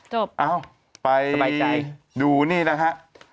จบสบายใจไปดูนี่นะฮะ